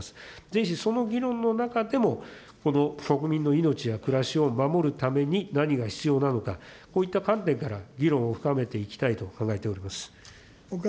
ぜひその議論の中でも、この国民の命や暮らしを守るために何が必要なのか、こういった観点から議論を深めていきたいと考えております。